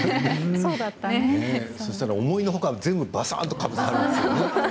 そしたら思いのほか全部ばさっとかかりましたね。